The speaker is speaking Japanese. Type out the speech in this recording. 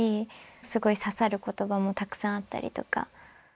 すごい刺さる言葉もたくさんあったりとか。